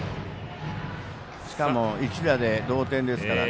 しかも一打で同点ですから。